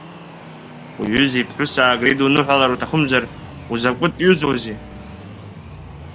Уҩыза иԥҳәысаагара идуныҳәалар уҭахымзар, узакәытә ҩызеи?